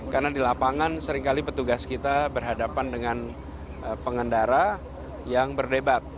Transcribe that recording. karena di lapangan seringkali petugas kita berhadapan dengan pengendara yang berdebat